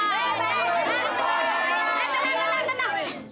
eh tenang tenang tenang